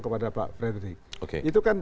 kepada pak frederick itu kan